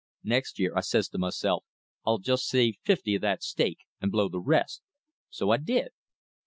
Next year, I says to myself, I'll just save fifty of that stake, and blow the rest. So I did.